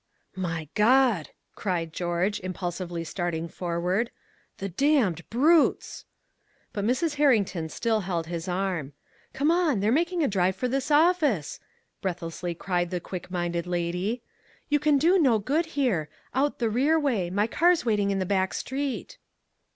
"My God!" cried George, impulsively starting forward. "The damned brutes!" But Mrs. Herrington still held his arm. "Come on they're making a drive for this office!" breathlessly cried the quick minded lady. "You can do no good here. Out the rear way my car's waiting in the back street."